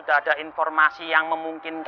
bahkan poin ini boh